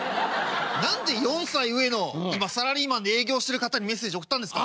「何で４歳上の今サラリーマンで営業してる方にメッセージ送ったんですか？」。